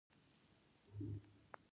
خر ډیر زوړ شوی و.